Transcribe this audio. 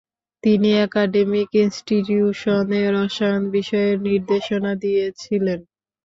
তিনি একাডেমিক ইনস্টিটিউশনে রসায়ন বিষয়ে নির্দেশনা দিয়েছিলেন।